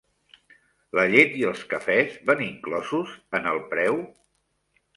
La llet i els cafès van inclosos en el preu?